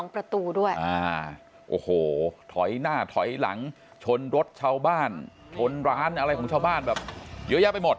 ประตูด้วยโอ้โหถอยหน้าถอยหลังชนรถชาวบ้านชนร้านอะไรของชาวบ้านแบบเยอะแยะไปหมด